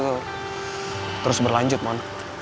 perdamaiin kita tuh terus berlanjut mon